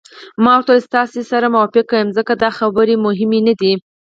ما ورته وویل: ستاسي سره موافق یم، ځکه دا خبرې مهمې نه دي.